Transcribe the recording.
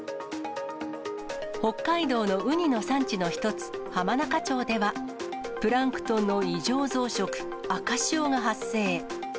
北海道のウニの産地の一つ、浜中町では、プランクトンの異常増殖、赤潮が発生。